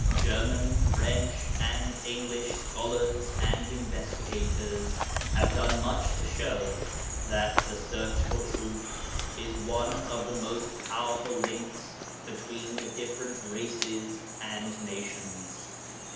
German, French, and English scholars and investigators have done much to show that the search for truth is one of the most powerful links between the different races and nations.